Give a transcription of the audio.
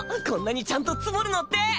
こんなにちゃんと積もるのって。